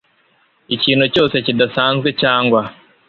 ikintu cyose kidasanzwe cyangwa